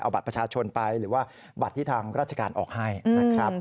เอาบัตรประชาชนไปหรือว่าบัตรที่ทางราชการออกให้นะครับ